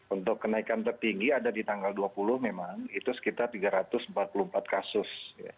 untuk kenaikan tertinggi ada di tanggal dua puluh memang itu sekitar tiga ratus empat puluh empat kasus